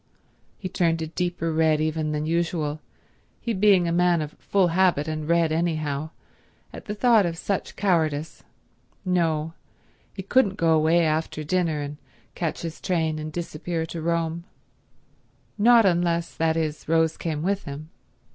He turned a deeper red even than usual, he being a man of full habit and red anyhow, at the thought of such cowardice. No, he couldn't go away after dinner and catch his train and disappear to Rome; not unless, that is, Rose came with him.